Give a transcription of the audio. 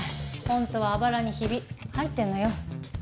本当はあばらにヒビ入ってるのよ。